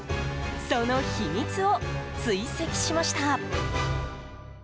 その秘密を追跡しました。